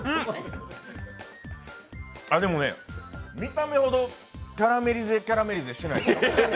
でもね、見た目ほどキャラメリゼキャラメリゼしてないです。